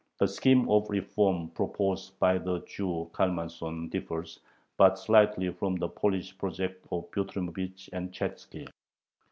The scheme of reform proposed by the Jew Kalmansohn differs but slightly from the Polish projects of Butrymovich and Chatzki.